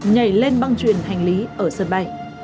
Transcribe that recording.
nhảy lên băng truyền hành lý ở sân bay